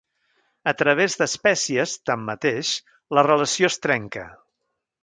A través d'espècies, tanmateix, la relació es trenca.